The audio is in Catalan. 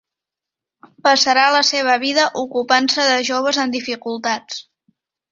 Passarà la seva vida ocupant-se de joves en dificultats.